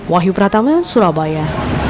wahyu pratama surabaya